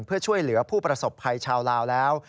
เพื่อช่วยเหลือผู้ประสบภัยชาวลาวแล้ว